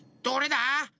どれだ？